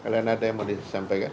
kalian ada yang mau disampaikan